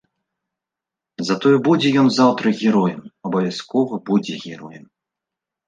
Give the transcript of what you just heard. Затое будзе ён заўтра героем, абавязкова будзе героем.